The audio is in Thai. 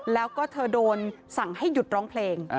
แล้วก็เธอโดนสั่งให้หยุดร้องเพลง